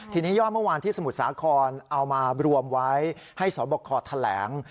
ทีนี้ยอดเมื่อวานที่สมุทรสาครเอามารวมไว้ให้สบคแถลง